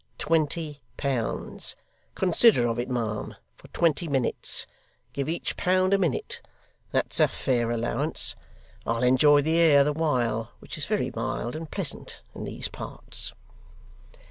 Twenty pounds! Consider of it, ma'am, for twenty minutes; give each pound a minute; that's a fair allowance. I'll enjoy the air the while, which is very mild and pleasant in these parts.